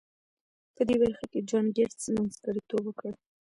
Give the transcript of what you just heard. په دې برخه کې جان ګيټس منځګړيتوب وکړ.